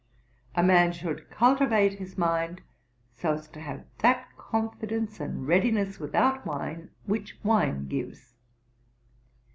A man should cultivate his mind so as to have that confidence and readiness without wine, which wine gives.'